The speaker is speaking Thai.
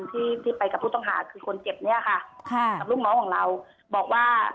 ที่ที่ไปกับผู้ต้องหาคือคนเจ็บเนี่ยค่ะกับลูกน้องของเราบอกว่า